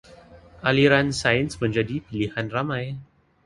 Aliran Sains menjadi pilihan ramai.